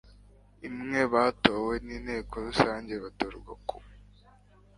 imwe batowe n inteko rusange batorwa ku